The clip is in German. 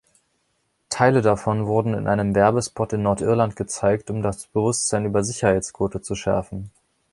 Teile davon wurden in einem Werbespot in Nordirland gezeigt, um das Bewusstsein über Sicherheitsgurte zu schärfen..